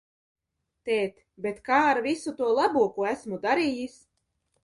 Tēt, bet kā ar visu to labo, ko esmu darījis?